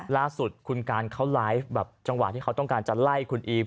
ล่าสุดคุณการเขาไลฟ์แบบจังหวะที่เขาต้องการจะไล่คุณอีฟ